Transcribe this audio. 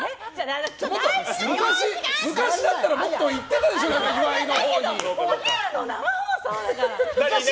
昔だったらもっと行ってたでしょだけどお昼の生放送だから！